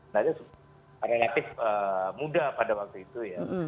dia seorang yang muda pada waktu itu